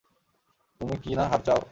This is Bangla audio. তুমি কি-না হার চাও?